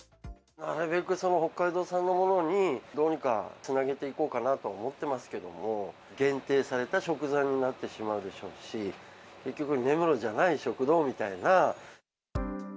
なるべく、その北海道産のものにどうにかつなげていこうかなとは思っていますけれども、限定された食材になってしまうでしょうし、結局、根室じゃない食堂みたいな。